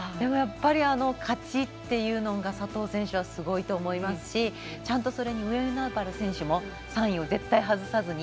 勝ちっていうのが佐藤選手はすごいと思いますしちゃんとそれに上与那原選手も３位を絶対離さずに。